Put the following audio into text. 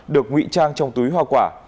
được ngụy trang trong túi hoa quả